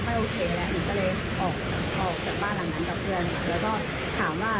บ้านน่าอยู่มากเพื่อนก็เลยแบบว่า